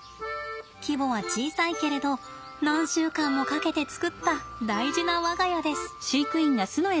規模は小さいけれど何週間もかけて作った大事な我が家です。